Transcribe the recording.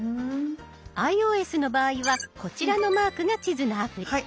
ｉＯＳの場合はこちらのマークが地図のアプリ。